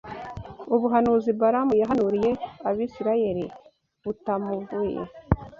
Ubuhanuzi Balamu yahanuriye Abisirayeli butamuvuye